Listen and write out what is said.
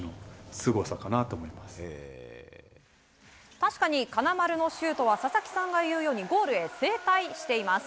確かに金丸のシュートは佐々木さんが言うようにゴールへ正対しています。